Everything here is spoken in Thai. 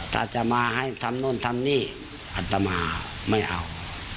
ถ้าจะมาให้ทำโน่นทำนี่อัตมาไม่เอา